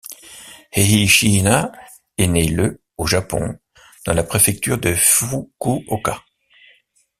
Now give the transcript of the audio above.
Eihi Shiina est née le au Japon dans la préfecture de Fukuoka.